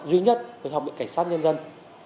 duy nhất với học viện cảnh sát nhân dân